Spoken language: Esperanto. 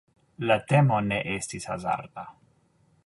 La temo ne estis hazarda.